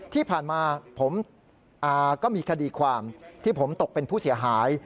ที่ผ่านมาผมก็มีคดีความที่ผมตกเป็นผู้เสียหาย